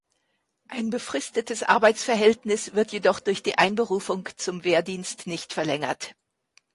Ein befristetes Arbeitsverhältnis wird jedoch durch die Einberufung zum Wehrdienst nicht verlängert.